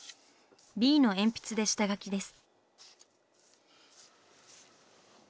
Ｂの鉛筆で下描きです。